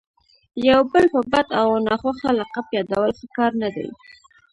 یو بل په بد او ناخوښه لقب یادول ښه کار نه دئ.